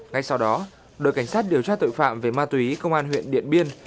ngay sau đó đội cảnh sát điều tra tội phạm về ma túy công an huyện điện biên